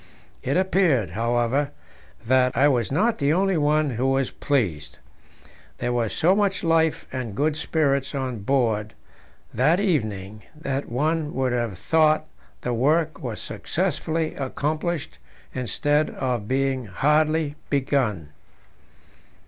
It appeared, however, that I was not the only one who was pleased. There was so much life and good spirits on board that evening that one would have thought the work was successfully accomplished instead of being hardly begun.